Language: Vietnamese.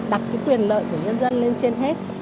đặt cái quyền lợi của nhân dân lên trên hết